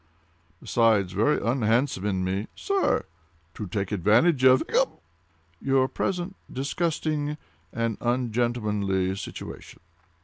"Besides, very unhandsome in me—" "Sir!" "To take advantage of—" "Hiccup!" "Your present disgusting and ungentlemanly situation."